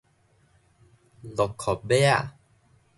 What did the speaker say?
碌硞馬仔